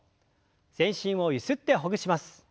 全身をゆすってほぐします。